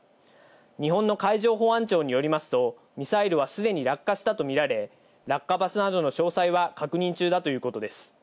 日本の海上保安庁によりますと、ミサイルはすでに落下したとみられ、落下場所などの詳細は確認中だということです。